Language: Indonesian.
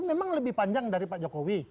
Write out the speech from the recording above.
memang lebih panjang dari pak jokowi